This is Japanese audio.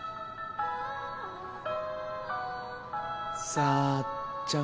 さっちゃん。